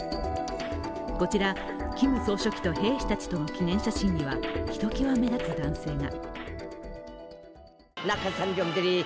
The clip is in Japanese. こちら、キム総書記と兵士たちの記念写真にはひときわ目立つ男性が。